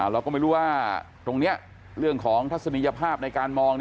เราก็ไม่รู้ว่าตรงนี้เรื่องของทัศนียภาพในการมอง